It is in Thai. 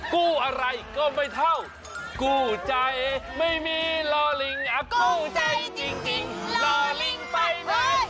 กู้อะไรก็ไม่เท่ากู้ใจไม่มีลอลิงแอบคู่ใจจริงรอลิงไปนะ